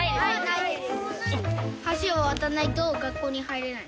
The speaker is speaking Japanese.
あっ橋渡らないと学校には入れない？